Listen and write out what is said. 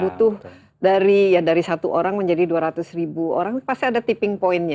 butuh dari satu orang menjadi dua ratus ribu orang pasti ada tipping pointnya